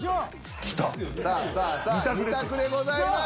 さあ２択でございます。